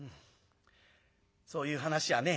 そういう話はね